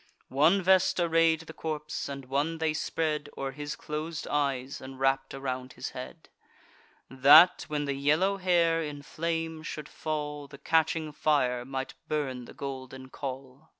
One vest array'd the corpse; and one they spread O'er his clos'd eyes, and wrapp'd around his head, That, when the yellow hair in flame should fall, The catching fire might burn the golden caul.